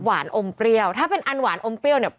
มะม่วงสุกก็มีเหมือนกันมะม่วงสุกก็มีเหมือนกัน